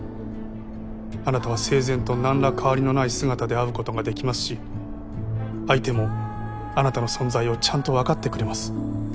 あなたは生前となんら変わりのない姿で会うことができますし相手もあなたの存在をちゃんとわかってくれます。